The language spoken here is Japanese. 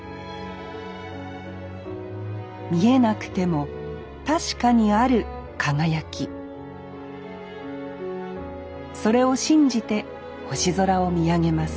見えなくても確かにある輝きそれを信じて星空を見上げます